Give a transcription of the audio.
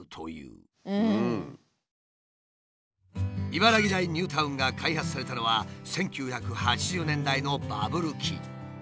茨木台ニュータウンが開発されたのは１９８０年代のバブル期。